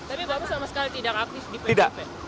tapi bapak sama sekali tidak aktif di pdip